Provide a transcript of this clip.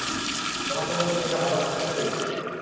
তোমাকে বলেছি একটা ভালো প্রস্তাব পেয়েছি।